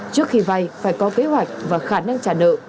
trước khi vay phải có kế hoạch và khả năng trả nợ